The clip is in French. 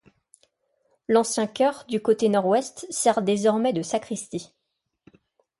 L'ancien chœur, du côté nord-ouest, sert désormais de sacristie.